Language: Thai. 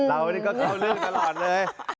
เรานี่ก็เข้าเรื่องตลอดเลย